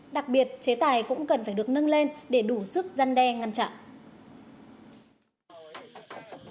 đặc biệt chế tài cũng cần phải được nâng lên để đủ sức gian đe ngăn chặn